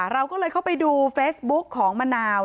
เราก็เลยเข้าไปดูเฟซบุ๊กของมะนาว